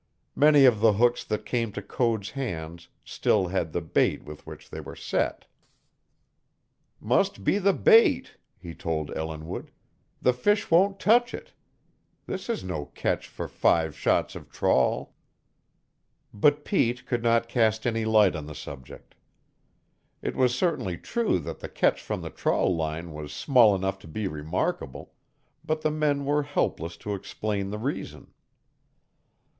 Many of the hooks that came to Code's hands still had the bait with which they were set. "Must be in the bait," he told Ellinwood. "The fish wouldn't touch it. This is no catch for five shots of trawl." But Pete could not cast any light on the subject. It was certainly true that the catch from the trawl line was small enough to be remarkable, but the men were helpless to explain the reason.